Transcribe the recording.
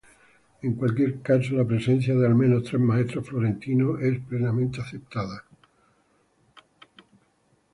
En cualquier caso, la presencia de al menos tres maestros florentinos es plenamente aceptada.